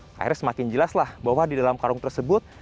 akhirnya semakin jelaslah bahwa di dalam karung tersebut